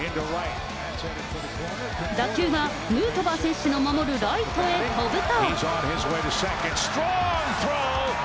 打球はヌートバー選手の守るライトへ飛ぶと。